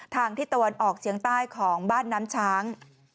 ที่ตะวันออกเชียงใต้ของบ้านน้ำช้าง